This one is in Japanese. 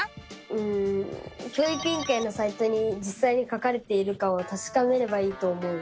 うん教育委員会のサイトにじっさいに書かれているかをたしかめればいいと思う！